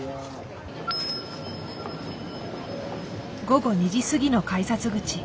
午後２時過ぎの改札口。